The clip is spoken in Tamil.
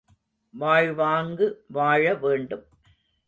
வாழ்வாங்கு வாழ வேண்டும்.